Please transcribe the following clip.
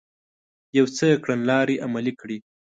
يو څه کړنلارې عملي کړې